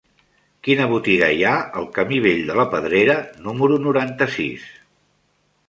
Quina botiga hi ha al camí Vell de la Pedrera número noranta-sis?